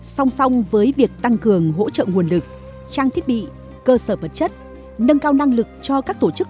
song song với việc tăng cường hỗ trợ nguồn lực trang thiết bị cơ sở vật chất nâng cao năng lực cho các tổ chức